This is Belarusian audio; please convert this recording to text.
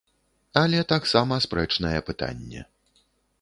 Але таксама спрэчнае пытанне.